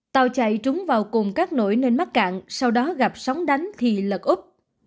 tàu chạy trúng vào cùng các nỗi nền mắc cạn sau đó gặp sóng đánh thì lật úp